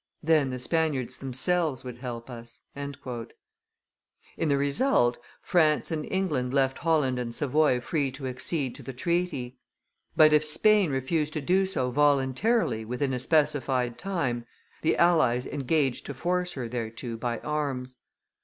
Then the Spaniards themselves would help us." In the result, France and England left Holland and Savoy free to accede to the treaty; but, if Spain refused to do so voluntarily within a specified time, the allies engaged to force her thereto by arms.